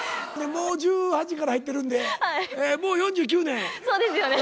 もう１８から入ってるんで、そうですよね。